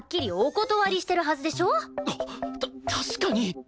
確かに！